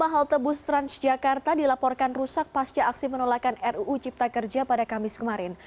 lima halte bus transjakarta dilaporkan rusak pasca aksi menolakan ruu cipta kerja pada kamis kemarin